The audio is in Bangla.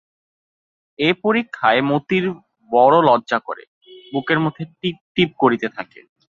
এ পরীক্ষায় মতির বড় লজ্জা করে, বুকের মধ্যে টিপটিপ করিতে থাকে।